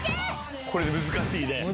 これ難しいね。